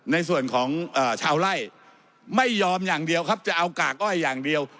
ในส่วนของชาวไล่ไม่ยอมอย่างเดียวครับจะเอากากอ้อยอย่างเดียว